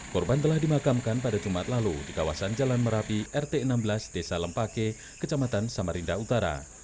korban telah dimakamkan pada jumat lalu di kawasan jalan merapi rt enam belas desa lempake kecamatan samarinda utara